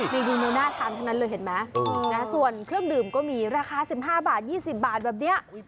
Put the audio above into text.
นี่ดูน่าทานทั้งนั้นเลยเห็นไหมส่วนเครื่องดื่มก็มีราคา๑๕บาท๒๐บาทแบบนี้